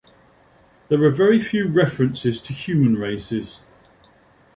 There are very few references to human races.